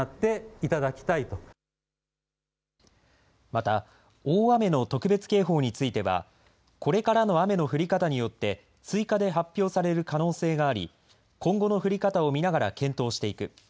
また、大雨の特別警報については、これからの雨の降り方によって、追加で発表される可能性があり、今後の降り方を見ながら検討していく。